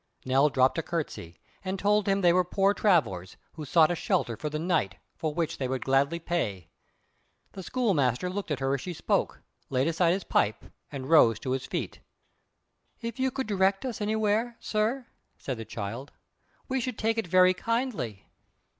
Nell dropped a curtsy, and told him they were poor travellers, who sought a shelter for the night, for which they would gladly pay. The schoolmaster looked at her as she spoke, laid aside his pipe, and rose to his feet. "If you could direct us anywhere, sir," said the child, "we should take it very kindly."